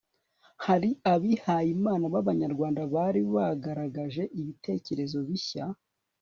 hari abihayimana b'abanyarwanda bari baragaragaje ibitekerezo bishya